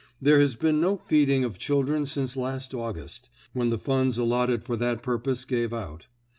There has been no feeding of children since last August, when the funds allotted for that purpose gave out.